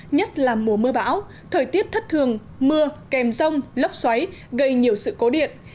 nhất là mùa mưa bão thời tiết thất thường mưa kèm rông lốc xoáy gây nhiều sự cố điện